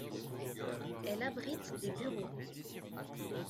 Elle abrite des bureaux.